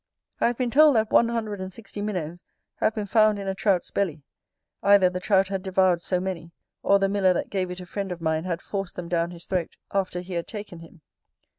I have been told that one hundred and sixty minnows have been found in a Trout's belly: either the Trout had devoured so many, or the miller that gave it a friend of mine had forced them down his throat after he had taken him.